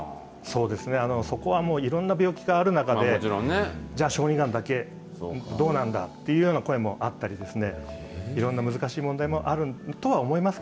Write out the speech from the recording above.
そうですね、そこはもういろんな病気がある中で、じゃあ、小児がんだけ、どうなんだっていうような声もあったり、いろんな難しい問題もあるとは思います